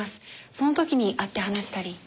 その時に会って話したり。